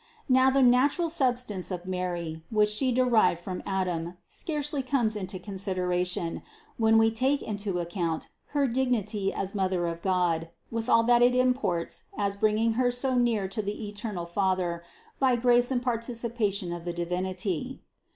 Now the natural substance of Mary, which She derived from Adam, scarcely comes into consideration, when we take into account her dignity as Mother of God with all that it imports as bringing Her so near to the eternal Father by grace and participation of the Divinity.